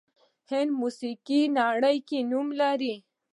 هندي موسیقي نړۍ کې نوم لري